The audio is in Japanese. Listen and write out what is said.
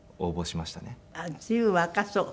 あっ随分若そう。